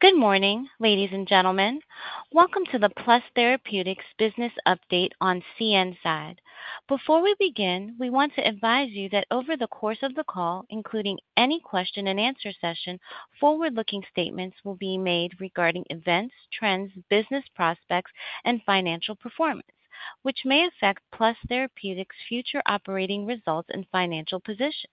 Good morning, ladies and gentlemen. Welcome to the Plus Therapeutics business update on CNside. Before we begin, we want to advise you that over the course of the call, including any question-and-answer session, forward-looking statements will be made regarding events, trends, business prospects, and financial performance, which may affect Plus Therapeutics' future operating results and financial position.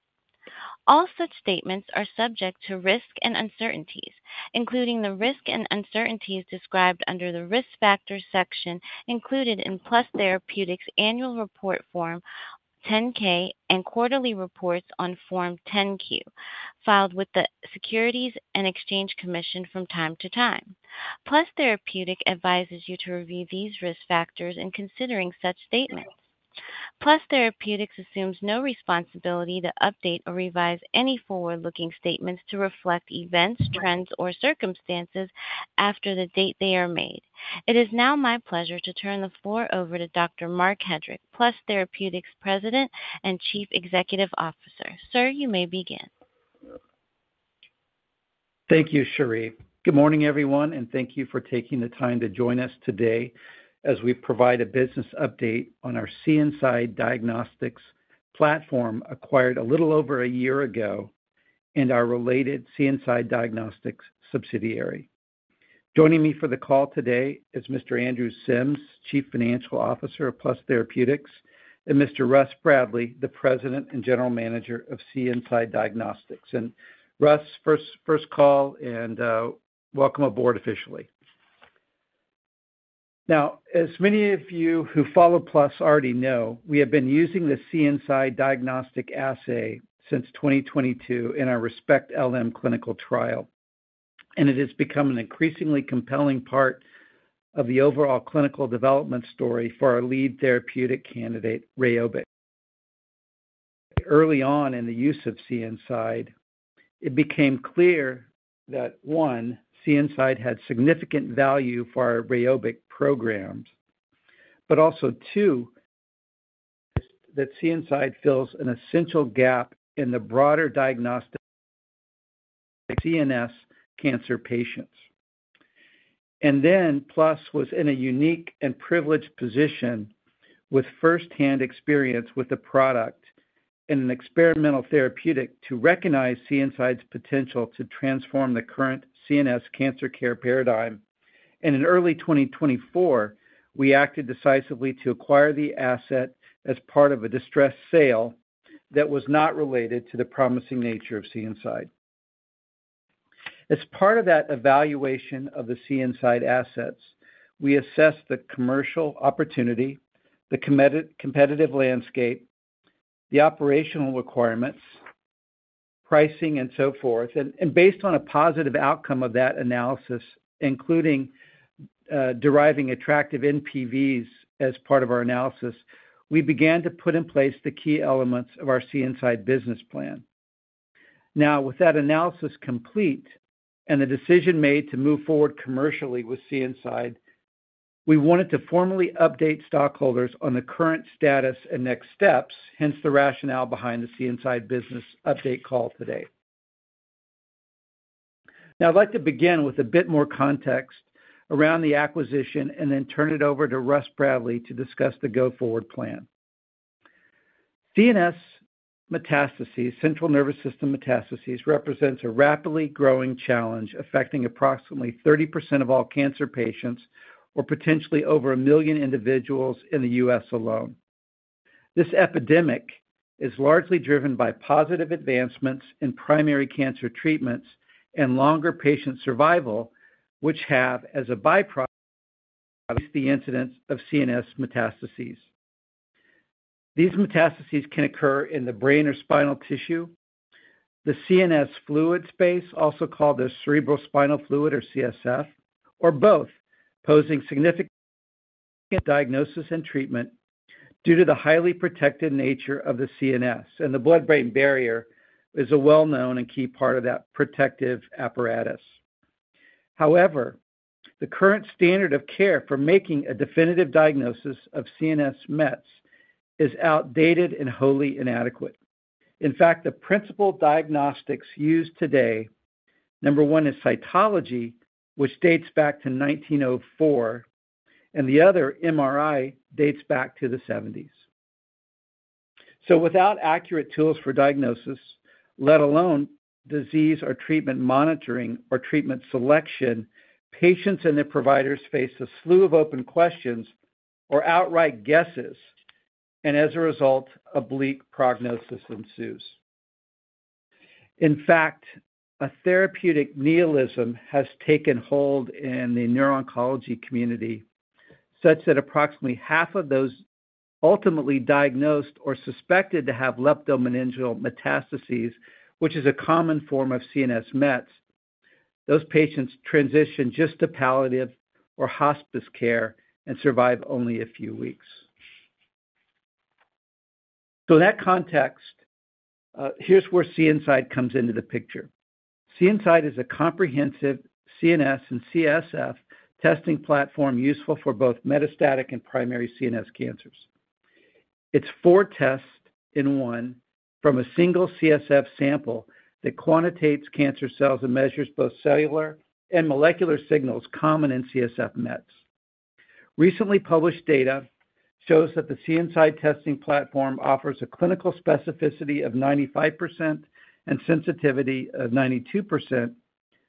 All such statements are subject to risk and uncertainties, including the risk and uncertainties described under the risk factors section included in Plus Therapeutics' annual report form 10-K and quarterly reports on form 10-Q, filed with the Securities and Exchange Commission from time to time. Plus Therapeutics advises you to review these risk factors in considering such statements. Plus Therapeutics assumes no responsibility to update or revise any forward-looking statements to reflect events, trends, or circumstances after the date they are made. It is now my pleasure to turn the floor over to Dr. Marc Hedrick, Plus Therapeutics' President and Chief Executive Officer. Sir, you may begin. Thank you, Cherie. Good morning, everyone, and thank you for taking the time to join us today as we provide a business update on our CNside Diagnostics platform acquired a little over a year ago and our related CNside Diagnostics subsidiary. Joining me for the call today is Mr. Andrew Sims, Chief Financial Officer of Plus Therapeutics, and Mr. Russ Bradley, the President and General Manager of CNside Diagnostics. Russ, first call, and welcome aboard officially. Now, as many of you who follow Plus already know, we have been using the CNside Diagnostic assay since 2022 in our RESPECT-LM clinical trial, and it has become an increasingly compelling part of the overall clinical development story for our lead therapeutic candidate, Rheobic. Early on in the use of CNside, it became clear that, one, CNside had significant value for our Rheobic programs, but also, two, that CNside fills an essential gap in the broader diagnostic of CNS cancer patients. Plus was in a unique and privileged position with firsthand experience with the product and an experimental therapeutic to recognize CNside's potential to transform the current CNS cancer care paradigm. In early 2024, we acted decisively to acquire the asset as part of a distressed sale that was not related to the promising nature of CNside. As part of that evaluation of the CNside assets, we assessed the commercial opportunity, the competitive landscape, the operational requirements, pricing, and so forth. Based on a positive outcome of that analysis, including deriving attractive NPVs as part of our analysis, we began to put in place the key elements of our CNside business plan. Now, with that analysis complete and the decision made to move forward commercially with CNside, we wanted to formally update stockholders on the current status and next steps, hence the rationale behind the CNside business update call today. I'd like to begin with a bit more context around the acquisition and then turn it over to Russ Bradley to discuss the go-forward plan. CNS metastases, central nervous system metastases, represents a rapidly growing challenge affecting approximately 30% of all cancer patients or potentially over a million individuals in the U.S. alone. This epidemic is largely driven by positive advancements in primary cancer treatments and longer patient survival, which have, as a byproduct, increased the incidence of CNS metastases. These metastases can occur in the brain or spinal tissue, the CNS fluid space, also called the cerebrospinal fluid or CSF, or both, posing significant diagnosis and treatment due to the highly protected nature of the CNS. The blood-brain barrier is a well-known and key part of that protective apparatus. However, the current standard of care for making a definitive diagnosis of CNS mets is outdated and wholly inadequate. In fact, the principal diagnostics used today, number one, is cytology, which dates back to 1904, and the other, MRI, dates back to the 1970s. Without accurate tools for diagnosis, let alone disease or treatment monitoring or treatment selection, patients and their providers face a slew of open questions or outright guesses, and as a result, oblique prognosis ensues. In fact, a therapeutic nihilism has taken hold in the neuro-oncology community such that approximately half of those ultimately diagnosed or suspected to have leptomeningeal metastases, which is a common form of CNS mets, those patients transition just to palliative or hospice care and survive only a few weeks. In that context, here's where CNside comes into the picture. CNside is a comprehensive CNS and CSF testing platform useful for both metastatic and primary CNS cancers. It's four tests in one from a single CSF sample that quantitates cancer cells and measures both cellular and molecular signals common in CSF mets. Recently published data shows that the CNside testing platform offers a clinical specificity of 95% and sensitivity of 92%,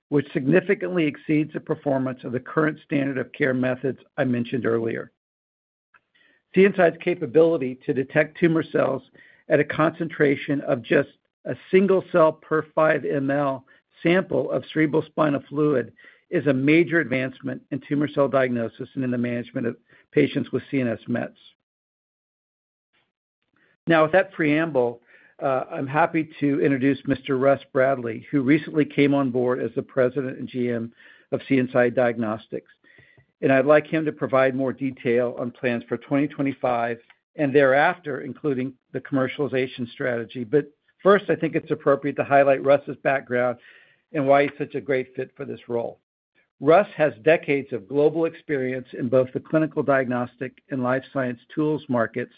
which significantly exceeds the performance of the current standard of care methods I mentioned earlier. CNside's capability to detect tumor cells at a concentration of just a single cell per 5 ml sample of cerebrospinal fluid is a major advancement in tumor cell diagnosis and in the management of patients with CNS mets. Now, with that preamble, I'm happy to introduce Mr. Russ Bradley, who recently came on board as the President and GM of CNside Diagnostics. I would like him to provide more detail on plans for 2025 and thereafter, including the commercialization strategy. First, I think it's appropriate to highlight Russ's background and why he's such a great fit for this role. Russ has decades of global experience in both the clinical diagnostic and life science tools markets,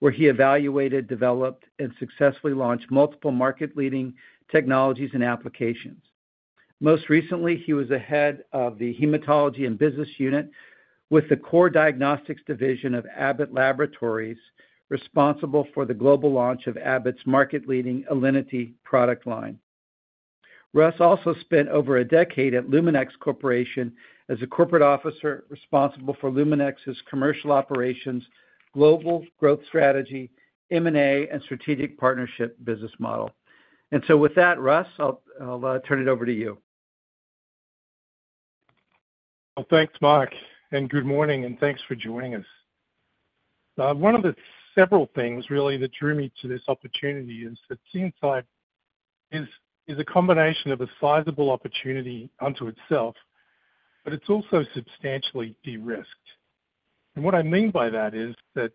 where he evaluated, developed, and successfully launched multiple market-leading technologies and applications. Most recently, he was the head of the hematology and business unit with the core diagnostics division of Abbott Laboratories, responsible for the global launch of Abbott's market-leading Alinity product line. Russ also spent over a decade at Luminex Corporation as a corporate officer responsible for Luminex's commercial operations, global growth strategy, M&A, and strategic partnership business model. With that, Russ, I'll turn it over to you. Thank you, Marc. Good morning, and thanks for joining us. One of the several things, really, that drew me to this opportunity is that CNside is a combination of a sizable opportunity unto itself, but it is also substantially de-risked. What I mean by that is that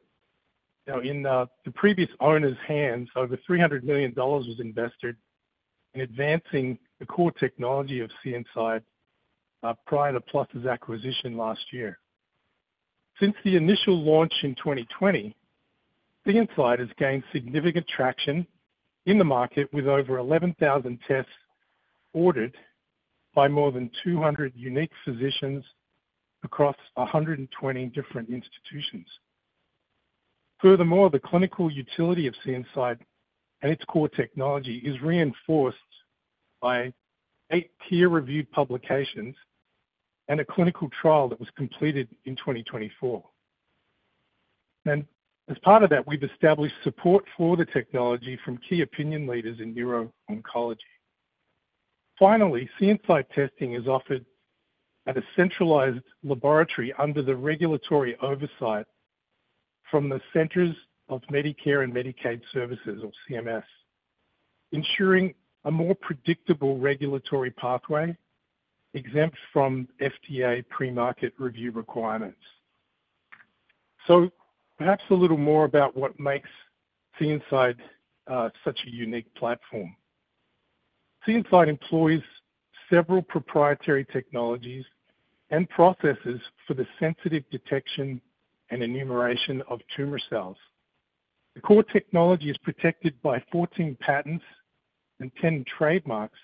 in the previous owner's hands, over $300 million was invested in advancing the core technology of CNside prior to Plus's acquisition last year. Since the initial launch in 2020, CNside has gained significant traction in the market with over 11,000 tests ordered by more than 200 unique physicians across 120 different institutions. Furthermore, the clinical utility of CNside and its core technology is reinforced by eight peer-reviewed publications and a clinical trial that was completed in 2024. As part of that, we have established support for the technology from key opinion leaders in neuro-oncology. Finally, CNside testing is offered at a centralized laboratory under the regulatory oversight from the Centers for Medicare and Medicaid Services, or CMS, ensuring a more predictable regulatory pathway exempt from FDA pre-market review requirements. Perhaps a little more about what makes CNside such a unique platform. CNside employs several proprietary technologies and processes for the sensitive detection and enumeration of tumor cells. The core technology is protected by 14 patents and 10 trademarks,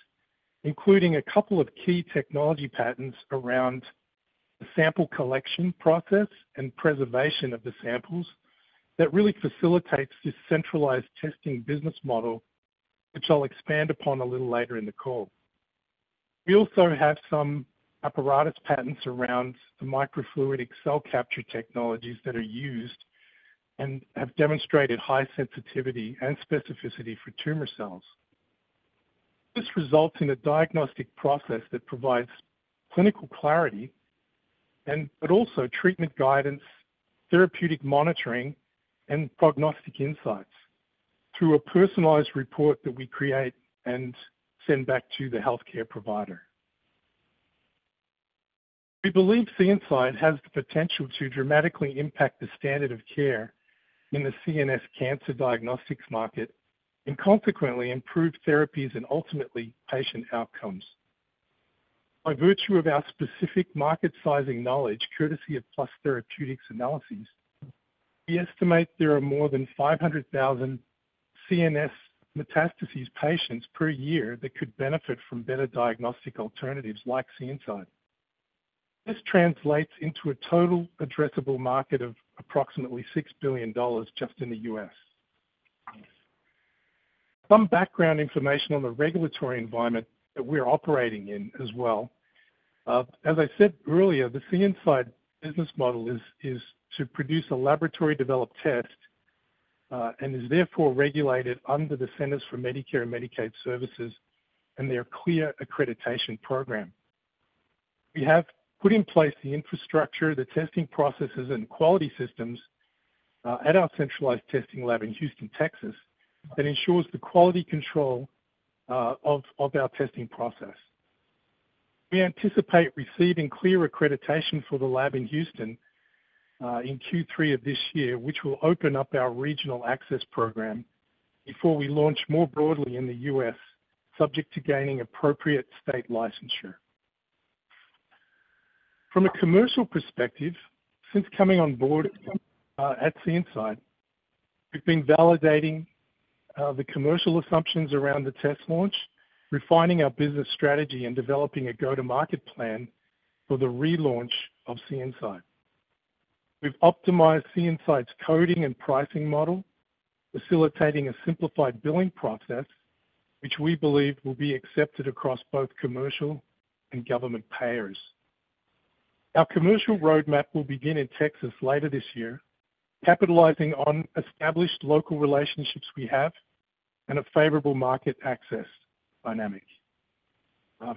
including a couple of key technology patents around the sample collection process and preservation of the samples that really facilitates this centralized testing business model, which I'll expand upon a little later in the call. We also have some apparatus patents around the microfluidic cell capture technologies that are used and have demonstrated high sensitivity and specificity for tumor cells. This results in a diagnostic process that provides clinical clarity, but also treatment guidance, therapeutic monitoring, and prognostic insights through a personalized report that we create and send back to the healthcare provider. We believe CNside has the potential to dramatically impact the standard of care in the CNS cancer diagnostics market and consequently improve therapies and ultimately patient outcomes. By virtue of our specific market-sizing knowledge, courtesy of Plus Therapeutics' analyses, we estimate there are more than 500,000 CNS metastases patients per year that could benefit from better diagnostic alternatives like CNside. This translates into a total addressable market of approximately $6 billion just in the U.S. Some background information on the regulatory environment that we're operating in as well. As I said earlier, the CNside business model is to produce a laboratory-developed test and is therefore regulated under the Centers for Medicare and Medicaid Services and their CLIA accreditation program. We have put in place the infrastructure, the testing processes, and quality systems at our centralized testing lab in Houston, Texas, that ensures the quality control of our testing process. We anticipate receiving CLIA accreditation for the lab in Houston in Q3 of this year, which will open up our regional access program before we launch more broadly in the U.S., subject to gaining appropriate state licensure. From a commercial perspective, since coming on board at CNside, we've been validating the commercial assumptions around the test launch, refining our business strategy, and developing a go-to-market plan for the relaunch of CNside. We've optimized CNside's coding and pricing model, facilitating a simplified billing process, which we believe will be accepted across both commercial and government payers. Our commercial roadmap will begin in Texas later this year, capitalizing on established local relationships we have and a favorable market access dynamic.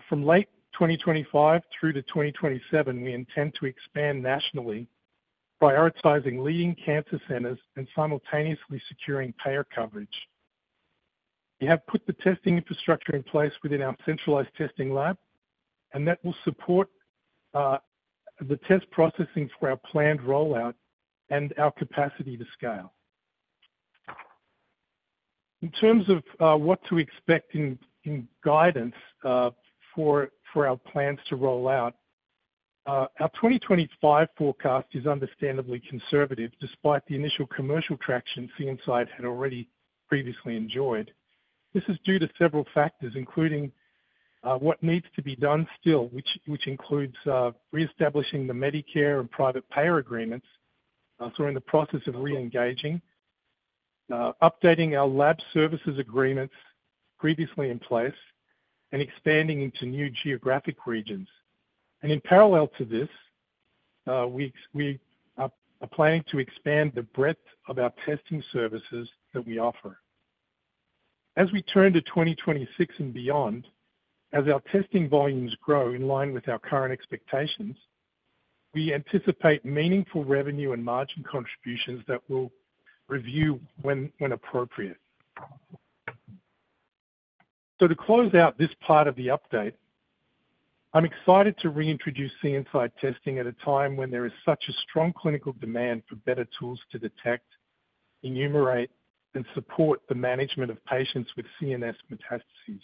From late 2025 through to 2027, we intend to expand nationally, prioritizing leading cancer centers and simultaneously securing payer coverage. We have put the testing infrastructure in place within our centralized testing lab, and that will support the test processing for our planned rollout and our capacity to scale. In terms of what to expect in guidance for our plans to roll out, our 2025 forecast is understandably conservative, despite the initial commercial traction CNside had already previously enjoyed. This is due to several factors, including what needs to be done still, which includes reestablishing the Medicare and private payer agreements that are in the process of re-engaging, updating our lab services agreements previously in place, and expanding into new geographic regions. In parallel to this, we are planning to expand the breadth of our testing services that we offer. As we turn to 2026 and beyond, as our testing volumes grow in line with our current expectations, we anticipate meaningful revenue and margin contributions that we'll review when appropriate. To close out this part of the update, I'm excited to reintroduce CNside testing at a time when there is such a strong clinical demand for better tools to detect, enumerate, and support the management of patients with CNS metastases.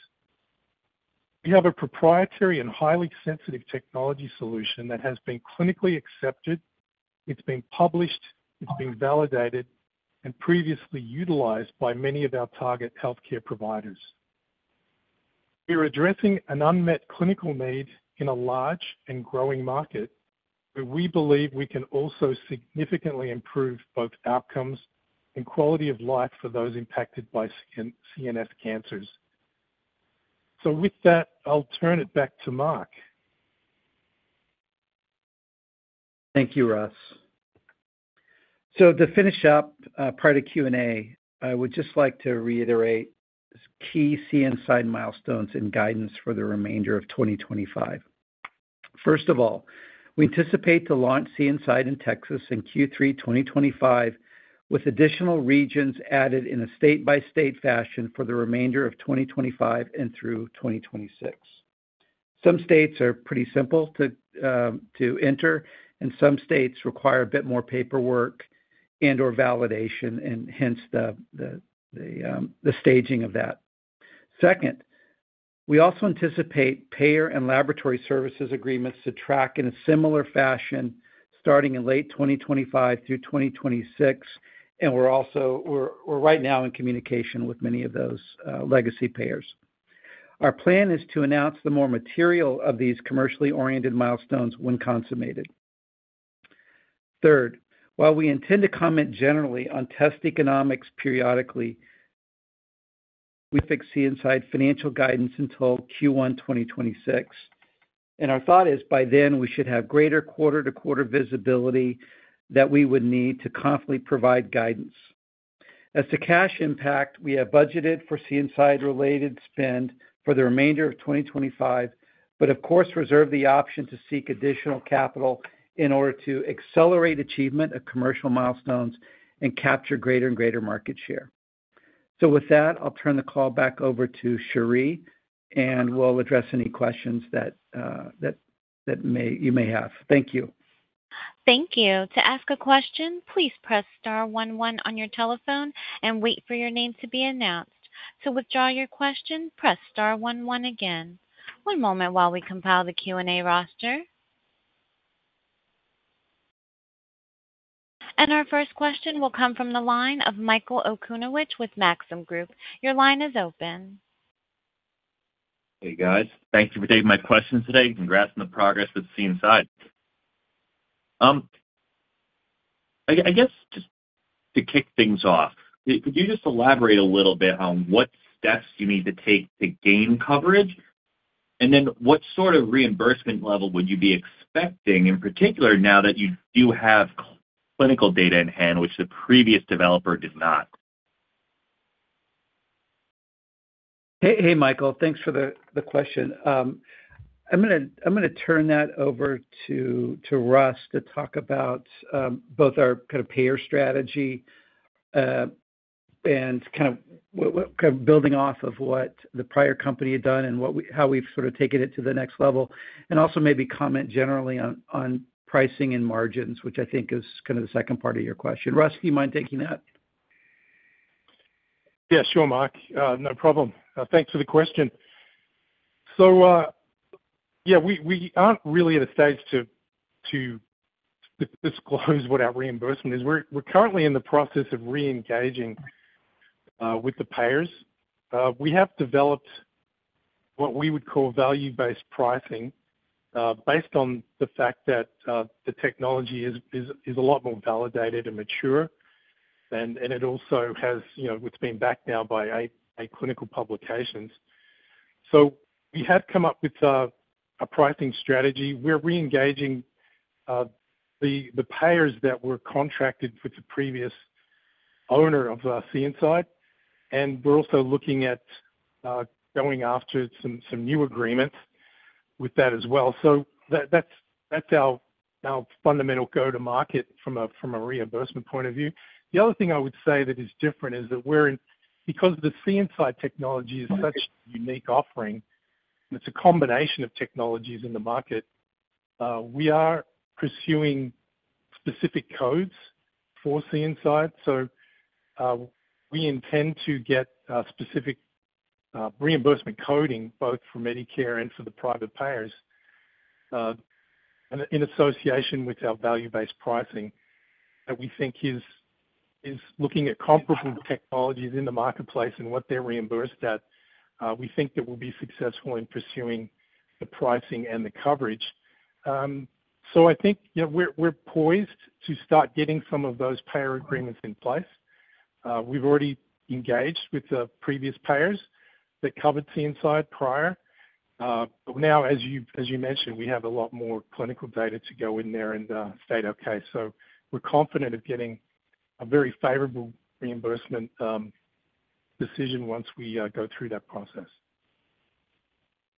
We have a proprietary and highly sensitive technology solution that has been clinically accepted. It's been published. It's been validated and previously utilized by many of our target healthcare providers. We are addressing an unmet clinical need in a large and growing market where we believe we can also significantly improve both outcomes and quality of life for those impacted by CNS cancers. With that, I'll turn it back to Marc. Thank you, Russ. To finish up part of Q&A, I would just like to reiterate key CNside milestones and guidance for the remainder of 2025. First of all, we anticipate to launch CNside in Texas in Q3 2025, with additional regions added in a state-by-state fashion for the remainder of 2025 and through 2026. Some states are pretty simple to enter, and some states require a bit more paperwork and/or validation, and hence the staging of that. Second, we also anticipate payer and laboratory services agreements to track in a similar fashion starting in late 2025 through 2026, and we're also right now in communication with many of those legacy payers. Our plan is to announce the more material of these commercially oriented milestones when consummated. Third, while we intend to comment generally on test economics periodically, we fix CNside financial guidance until Q1 2026. Our thought is by then, we should have greater quarter-to-quarter visibility that we would need to confidently provide guidance. As to cash impact, we have budgeted for CNside-related spend for the remainder of 2025, but of course, reserve the option to seek additional capital in order to accelerate achievement of commercial milestones and capture greater and greater market share. With that, I'll turn the call back over to Cherie, and we'll address any questions that you may have. Thank you. Thank you. To ask a question, please press * 11 on your telephone and wait for your name to be announced. To withdraw your question, press * 11 again. One moment while we compile the Q&A roster. Our first question will come from the line of Michael Okunewitch with Maxim Group. Your line is open. Hey, guys. Thank you for taking my questions today. Congrats on the progress with CNside. I guess just to kick things off, could you just elaborate a little bit on what steps you need to take to gain coverage? What sort of reimbursement level would you be expecting, in particular now that you do have clinical data in hand, which the previous developer did not? Hey, Michael. Thanks for the question. I'm going to turn that over to Russ to talk about both our kind of payer strategy and kind of building off of what the prior company had done and how we've sort of taken it to the next level, and also maybe comment generally on pricing and margins, which I think is kind of the second part of your question. Russ, do you mind taking that? Yeah, sure, Marc. No problem. Thanks for the question. Yeah, we aren't really at a stage to disclose what our reimbursement is. We're currently in the process of re-engaging with the payers. We have developed what we would call value-based pricing based on the fact that the technology is a lot more validated and mature, and it also has been backed now by clinical publications. We have come up with a pricing strategy. We're re-engaging the payers that were contracted with the previous owner of CNside, and we're also looking at going after some new agreements with that as well. That's our fundamental go-to-market from a reimbursement point of view. The other thing I would say that is different is that because the CNside technology is such a unique offering, it's a combination of technologies in the market, we are pursuing specific codes for CNside. We intend to get specific reimbursement coding both for Medicare and for the private payers in association with our value-based pricing that we think is looking at comparable technologies in the marketplace and what they're reimbursed at. We think that we'll be successful in pursuing the pricing and the coverage. I think we're poised to start getting some of those payer agreements in place. We've already engaged with the previous payers that covered CNside prior. Now, as you mentioned, we have a lot more clinical data to go in there and state, "Okay." We're confident of getting a very favorable reimbursement decision once we go through that process.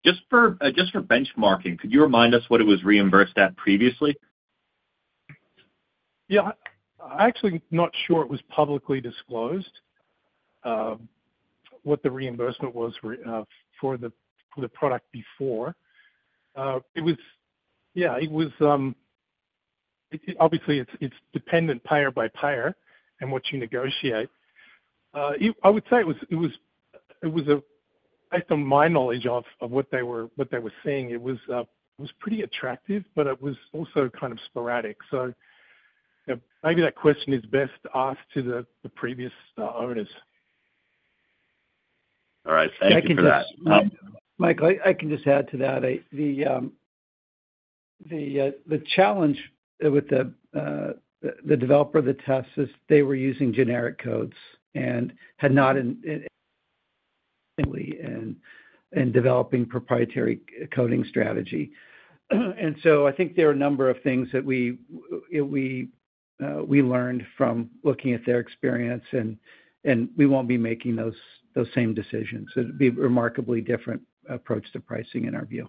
Just for benchmarking, could you remind us what it was reimbursed at previously? Yeah. I'm actually not sure it was publicly disclosed what the reimbursement was for the product before. Yeah, obviously, it's dependent payer by payer and what you negotiate. I would say it was, based on my knowledge of what they were seeing, it was pretty attractive, but it was also kind of sporadic. Maybe that question is best asked to the previous owners. All right. Thank you for that. Michael, I can just add to that. The challenge with the developer of the test is they were using generic codes and had not been in developing proprietary coding strategy. I think there are a number of things that we learned from looking at their experience, and we won't be making those same decisions. It'd be a remarkably different approach to pricing in our view.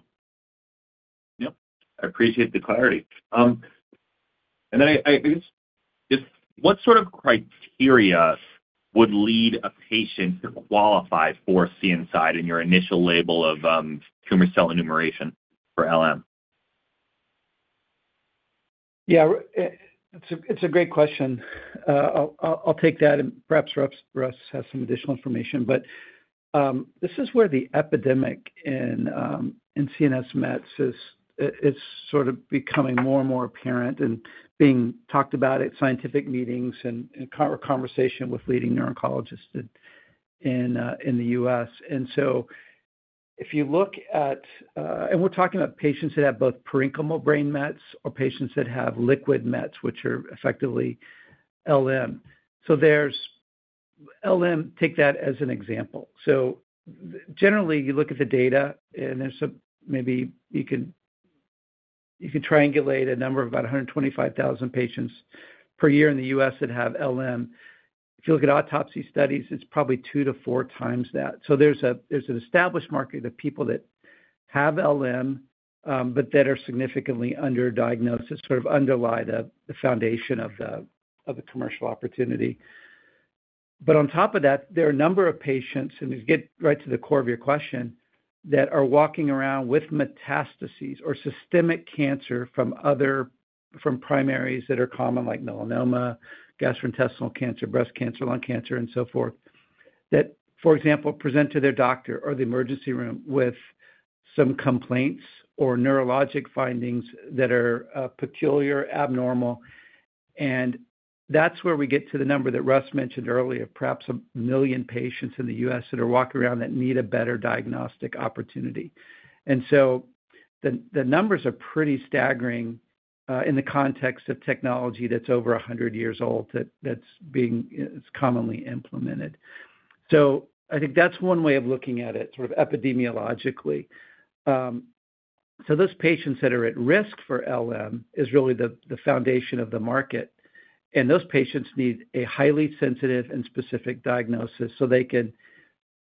Yep. I appreciate the clarity. I guess just what sort of criteria would lead a patient to qualify for CNside in your initial label of tumor cell enumeration for LM? Yeah. It's a great question. I'll take that, and perhaps Russ has some additional information. This is where the epidemic in CNS metastasis is sort of becoming more and more apparent and being talked about at scientific meetings and in conversation with leading neuroncologists in the U.S. If you look at—and we're talking about patients that have both parenchymal brain metastasis or patients that have liquid metastasis, which are effectively LM. Take that as an example. Generally, you look at the data, and maybe you can triangulate a number of about 125,000 patients per year in the U.S. that have LM. If you look at autopsy studies, it's probably two to four times that. There's an established market of people that have LM but that are significantly underdiagnosed, sort of underlie the foundation of the commercial opportunity. On top of that, there are a number of patients—and to get right to the core of your question—that are walking around with metastases or systemic cancer from primaries that are common, like melanoma, gastrointestinal cancer, breast cancer, lung cancer, and so forth, that, for example, present to their doctor or the emergency room with some complaints or neurologic findings that are peculiar, abnormal. That's where we get to the number that Russ mentioned earlier, perhaps a million patients in the U.S. that are walking around that need a better diagnostic opportunity. The numbers are pretty staggering in the context of technology that's over 100 years old that's commonly implemented. I think that's one way of looking at it, sort of epidemiologically. Those patients that are at risk for LM is really the foundation of the market. Those patients need a highly sensitive and specific diagnosis so you can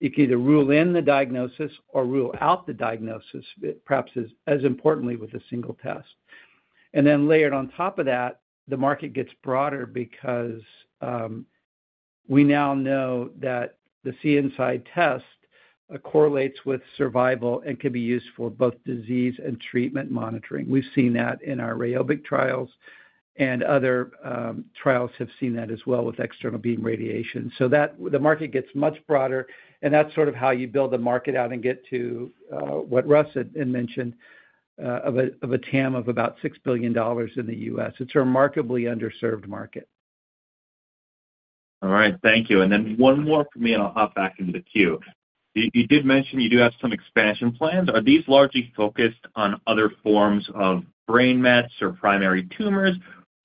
either rule in the diagnosis or rule out the diagnosis, perhaps as importantly with a single test. Layered on top of that, the market gets broader because we now know that the CNside test correlates with survival and can be used for both disease and treatment monitoring. We've seen that in our REYOBIQ trials, and other trials have seen that as well with external beam radiation. The market gets much broader, and that's sort of how you build a market out and get to what Russ had mentioned of a TAM of about $6 billion in the U.S. It's a remarkably underserved market. All right. Thank you. Then one more from me, and I'll hop back into the queue. You did mention you do have some expansion plans. Are these largely focused on other forms of brain metastasis or primary tumors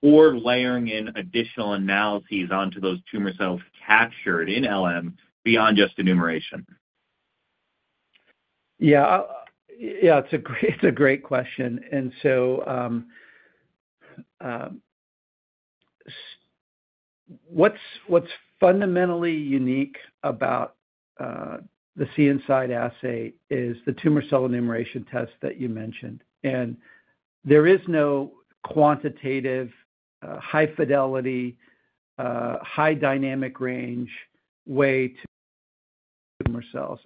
or layering in additional analyses onto those tumors that are captured in LM beyond just enumeration? Yeah. Yeah, it's a great question. What's fundamentally unique about the CNside assay is the tumor cell enumeration test that you mentioned. There is no quantitative, high-fidelity, high-dynamic range way to enumerate tumor cells.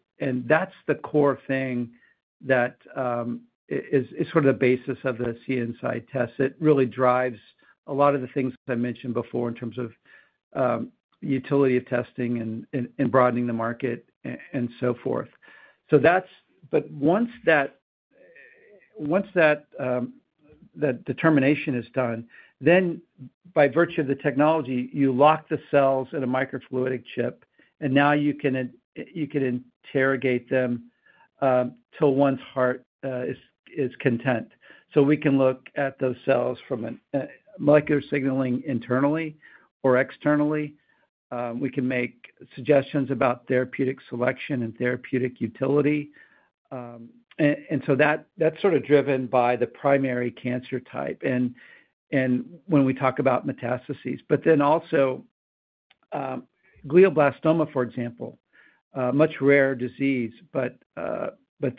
That's the core thing that is sort of the basis of the CNside test. It really drives a lot of the things I mentioned before in terms of utility of testing and broadening the market and so forth. Once that determination is done, by virtue of the technology, you lock the cells in a microfluidic chip, and now you can interrogate them till one's heart is content. We can look at those cells from a molecular signaling internally or externally. We can make suggestions about therapeutic selection and therapeutic utility. That's sort of driven by the primary cancer type and when we talk about metastases. But then also, glioblastoma, for example, a much rarer disease, but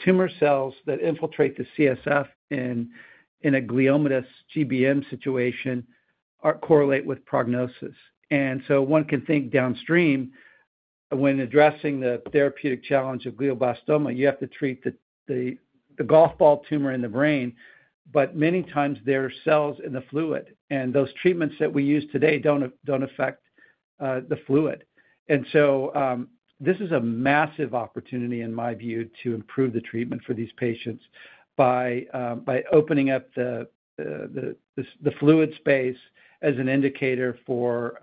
tumor cells that infiltrate the CSF in a gliomatous GBM situation correlate with prognosis. One can think downstream when addressing the therapeutic challenge of glioblastoma, you have to treat the golf ball tumor in the brain, but many times there are cells in the fluid, and those treatments that we use today do not affect the fluid. This is a massive opportunity, in my view, to improve the treatment for these patients by opening up the fluid space as an indicator for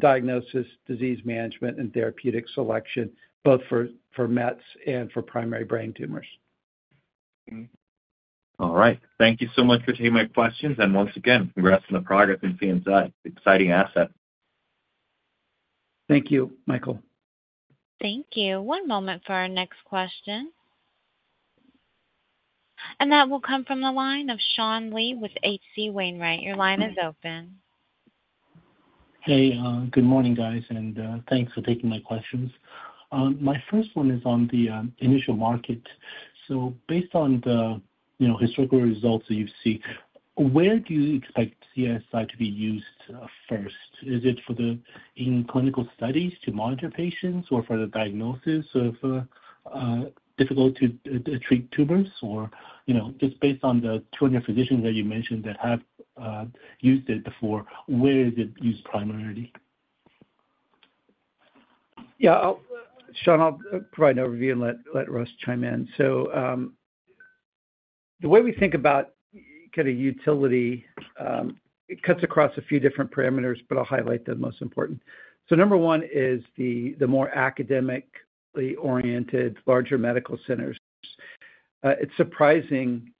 diagnosis, disease management, and therapeutic selection, both for metastasis and for primary brain tumors. All right. Thank you so much for taking my questions. And once again, congrats on the progress in CNside, exciting asset. Thank you, Michael. Thank you. One moment for our next question. That will come from the line of Sean Lee with HC Wainwright. Your line is open. Hey, good morning, guys, and thanks for taking my questions. My first one is on the initial market. Based on the historical results that you've seen, where do you expect CNside to be used first? Is it for the clinical studies to monitor patients or for the diagnosis of difficult-to-treat tumors? Or just based on the 200 physicians that you mentioned that have used it before, where is it used primarily? Yeah. Sean, I'll provide an overview and let Russ chime in. The way we think about kind of utility, it cuts across a few different parameters, but I'll highlight the most important. Number one is the more academically oriented, larger medical centers. It's surprising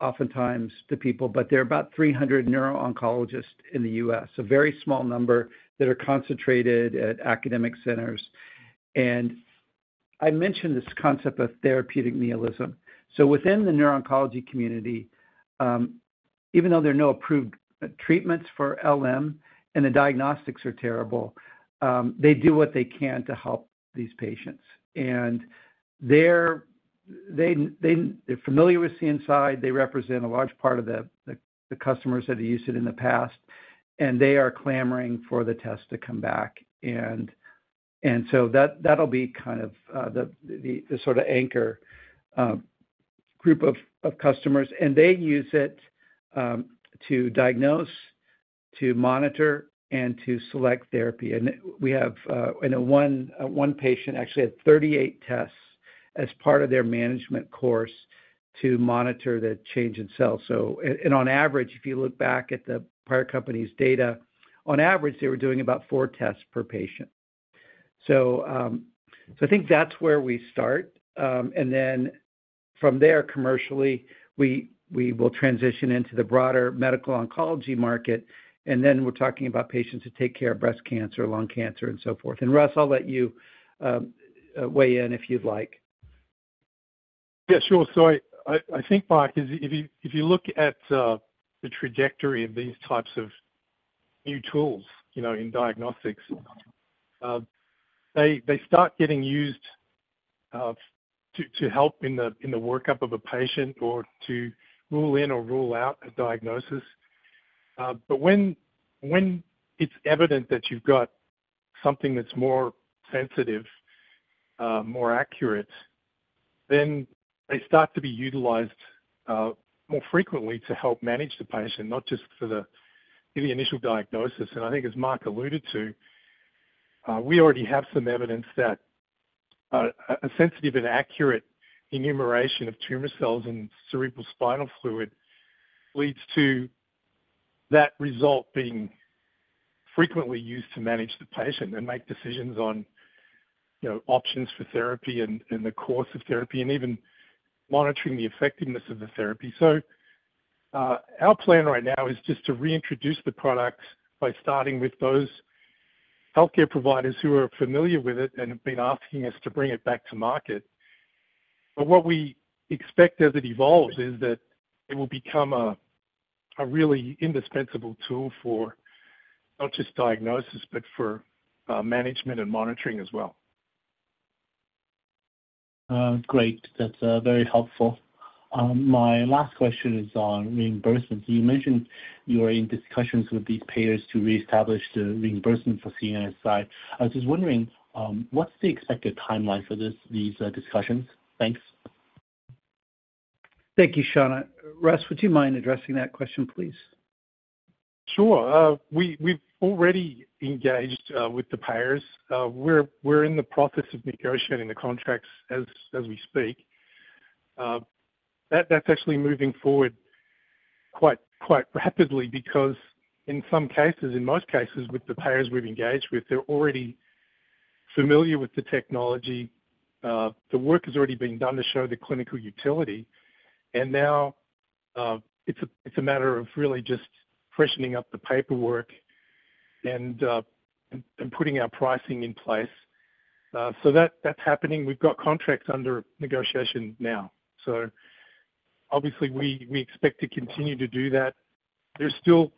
oftentimes to people, but there are about 300 neuro-oncologists in the U.S., a very small number that are concentrated at academic centers. I mentioned this concept of therapeutic nihilism. Within the neuro-oncology community, even though there are no approved treatments for LM and the diagnostics are terrible, they do what they can to help these patients. They're familiar with CNside. They represent a large part of the customers that have used it in the past, and they are clamoring for the test to come back. That'll be kind of the sort of anchor group of customers. They use it to diagnose, to monitor, and to select therapy. I know one patient actually had 38 tests as part of their management course to monitor the change in cells. On average, if you look back at the prior company's data, on average, they were doing about four tests per patient. I think that's where we start. From there, commercially, we will transition into the broader medical oncology market. We are talking about patients who take care of breast cancer, lung cancer, and so forth. Russ, I'll let you weigh in if you'd like. Yeah, sure. I think, Marc, if you look at the trajectory of these types of new tools in diagnostics, they start getting used to help in the workup of a patient or to rule in or rule out a diagnosis. When it's evident that you've got something that's more sensitive, more accurate, then they start to be utilized more frequently to help manage the patient, not just for the initial diagnosis. I think, as Marc alluded to, we already have some evidence that a sensitive and accurate enumeration of tumor cells in cerebrospinal fluid leads to that result being frequently used to manage the patient and make decisions on options for therapy and the course of therapy and even monitoring the effectiveness of the therapy. Our plan right now is just to reintroduce the product by starting with those healthcare providers who are familiar with it and have been asking us to bring it back to market. What we expect as it evolves is that it will become a really indispensable tool for not just diagnosis, but for management and monitoring as well. Great. That's very helpful. My last question is on reimbursement. You mentioned you were in discussions with these payers to reestablish the reimbursement for CNside. I was just wondering, what's the expected timeline for these discussions? Thanks. Thank you, Sean. Russ, would you mind addressing that question, please? Sure. We've already engaged with the payers. We're in the process of negotiating the contracts as we speak. That's actually moving forward quite rapidly because in some cases, in most cases, with the payers we've engaged with, they're already familiar with the technology. The work has already been done to show the clinical utility. Now it's a matter of really just freshening up the paperwork and putting our pricing in place. That's happening. We've got contracts under negotiation now. Obviously, we expect to continue to do that. There are still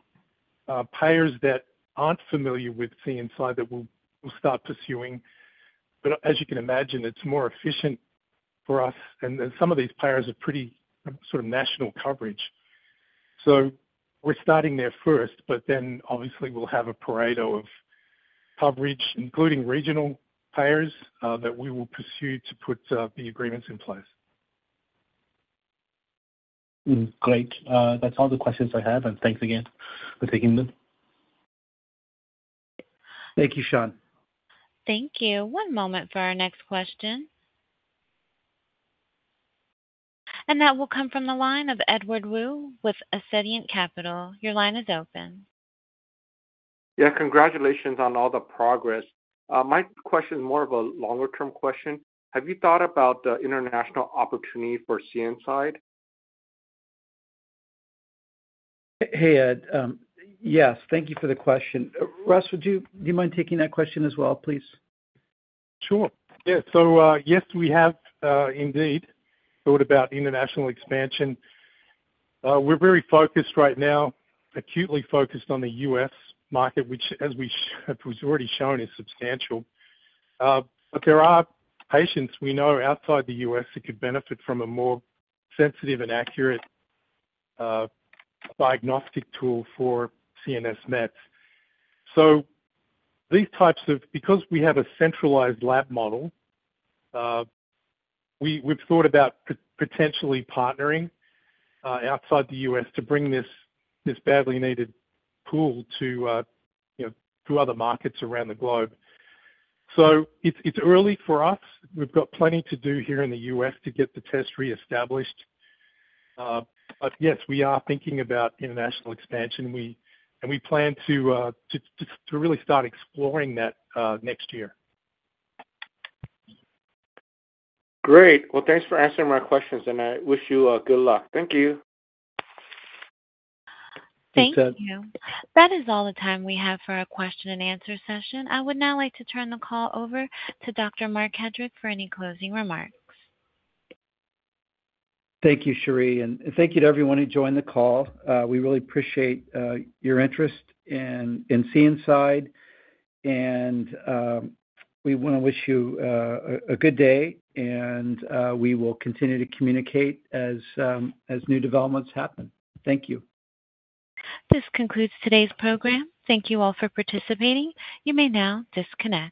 payers that aren't familiar with CNside that we'll start pursuing. As you can imagine, it's more efficient for us. Some of these payers are pretty sort of national coverage. We're starting there first, then obviously, we'll have a parade of coverage, including regional payers, that we will pursue to put the agreements in place. Great. That's all the questions I have. Thanks again for taking them. Thank you, Sean. Thank you. One moment for our next question. That will come from the line of Edward Woo with Ascendiant Capital. Your line is open. Yeah. Congratulations on all the progress. My question is more of a longer-term question. Have you thought about the international opportunity for CNside? Hey, Ed. Yes. Thank you for the question. Russ, would you mind taking that question as well, please? Sure. Yeah. Yes, we have indeed thought about international expansion. We're very focused right now, acutely focused on the U.S. market, which, as we've already shown, is substantial. There are patients we know outside the U.S. that could benefit from a more sensitive and accurate diagnostic tool for CNS metastasis. These types of, because we have a centralized lab model, we've thought about potentially partnering outside the U.S. to bring this badly needed tool to other markets around the globe. It's early for us. We've got plenty to do here in the U.S. to get the test reestablished. Yes, we are thinking about international expansion, and we plan to really start exploring that next year. Great. Thanks for answering my questions, and I wish you good luck. Thank you. Thank you. That is all the time we have for our question-and-answer session. I would now like to turn the call over to Dr. Marc Hedrick for any closing remarks. Thank you, Cherie. Thank you to everyone who joined the call. We really appreciate your interest in CNside. We want to wish you a good day, and we will continue to communicate as new developments happen. Thank you. This concludes today's program. Thank you all for participating. You may now disconnect.